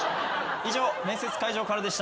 以上面接会場からでした。